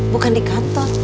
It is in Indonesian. bukan di kantor